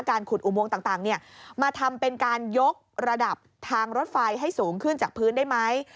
ขุดอุโมงต่างมาทำเป็นการยกระดับทางรถไฟให้สูงขึ้นจากพื้นได้ไหม